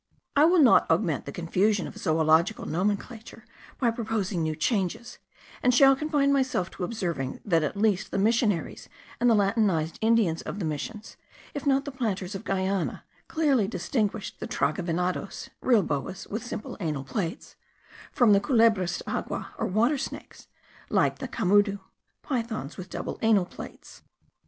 I will not augment the confusion of zoological nomenclature by proposing new changes, and shall confine myself to observing that at least the missionaries and the latinized Indians of the missions, if not the planters of Guiana, clearly distinguish the traga venados (real boas, with simple anal plates) from the culebras de agua, or water snakes, like the camudu (pythons with double anal scales).